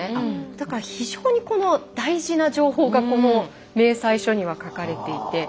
だから非常にこの大事な情報がこの明細書には書かれていて。